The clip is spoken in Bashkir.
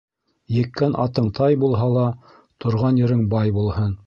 Еккән атың тай булһа ла, торған ерең бай булһын.